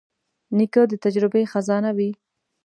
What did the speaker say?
نیکه د تجربې خزانه وي.